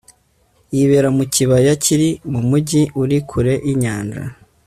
yibera mu kibaya kiri mumujyi uri kure yinyanja